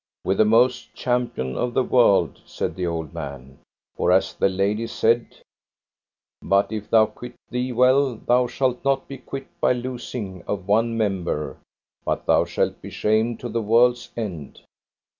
With the most champion of the world, said the old man; for as the lady said, but if thou quit thee well thou shalt not be quit by losing of one member, but thou shalt be shamed to the world's end.